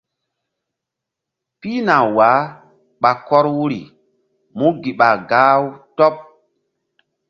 Pihna wah ɓa kɔr wuri mú gi ɓa gah-u tɔɓ.